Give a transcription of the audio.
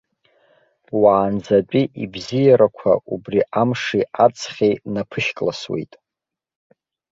Уаанӡатәи ибзиарақәа убри амши аҵхи наԥышькласуеит.